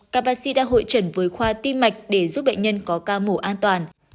các bác sĩ đã hội trần với khoa tiêm mạch để giúp bệnh nhân có ca mổ an toàn